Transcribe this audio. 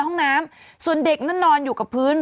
ห้องน้ำส่วนเด็กนั้นนอนอยู่กับพื้น